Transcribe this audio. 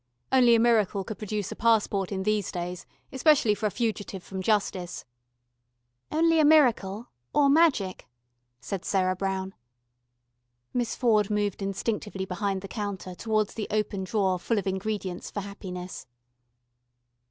"Only a miracle could produce a passport in these days, especially for a fugitive from justice." "Only a miracle or magic," said Sarah Brown. Miss Ford moved instinctively behind the counter towards the open drawer full of ingredients for happiness.